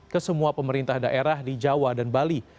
ke semua pemerintah daerah di jawa dan bali